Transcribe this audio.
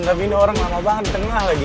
tapi ini orang lama banget di tengah lagi